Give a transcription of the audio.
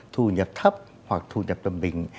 thu nhập thấp hoặc thu nhập đồng bình